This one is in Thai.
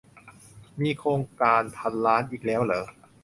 มีโครงการพันล้านอีกแล้วหรือ ?